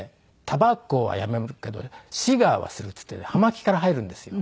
「タバコはやめるけどシガーはする」って言って葉巻から入るんですよ